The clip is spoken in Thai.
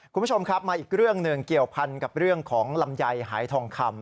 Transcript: คุณผู้ชมครับมาอีกเรื่องหนึ่งเกี่ยวพันกับเรื่องของลำไยหายทองคำ